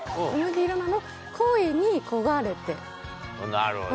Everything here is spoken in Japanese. なるほどね。